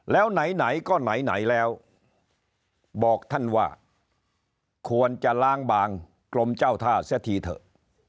แล้วไหนก็ไหนแล้วบอกท่านว่าควรจะล้างบางกรมเจ้าท่าเสียทีเถอะ